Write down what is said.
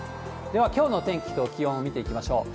では、きょうの天気と気温を見ていきましょう。